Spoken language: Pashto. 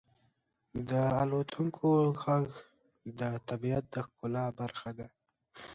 • د الوتونکو ږغ د طبیعت د ښکلا برخه ده.